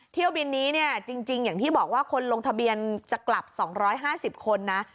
เที่ยวบินนี้เนี่ยจริงอย่างที่บอกว่าคนลงทะเบียนจะกลับ๒๕๐คนนะ